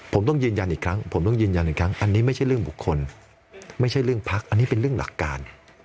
ผมต้องยืนยันอีกครั้งผมต้องยืนยันอีกครั้งอันนี้ไม่ใช่เรื่องบุคคลไม่ใช่เรื่องพักอันนี้เป็นเรื่องหลักการ